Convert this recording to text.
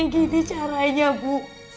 nggak kayak gini caranya bu